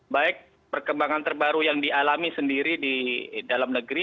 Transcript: baik perkembangan terbaru yang dialami sendiri di dalam negeri